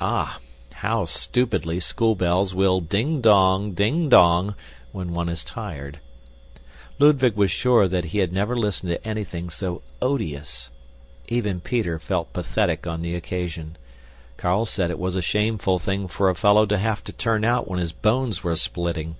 Ah, how stupidly school bells will ding dong, ding dong, when one is tired. Ludwig was sure that he had never listened to anything so odious. Even Peter felt pathetic on the occasion. Carl said it was a shameful thing for a fellow to have to turn out when his bones were splitting.